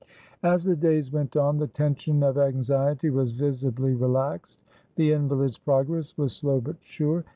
As the days went on the tension of anxiety was visibly relaxed. The invalid's progress was slow but sure.